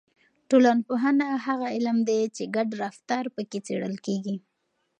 ټولنپوهنه هغه علم دی چې ګډ رفتار پکې څېړل کیږي.